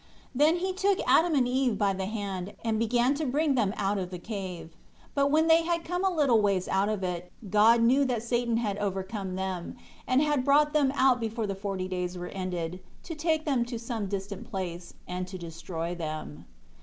1 Then he took Adam and Eve by the hand, and began to bring them out of the cave. 2 But when they had come a little ways out of it, God knew that Satan had overcome them, and had brought them out before the forty days were ended, to take them to some distant place, and to destroy them.